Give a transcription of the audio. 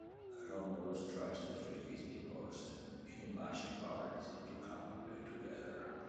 Romulus tries to trick his divorced, ill-matched parents into coming back together.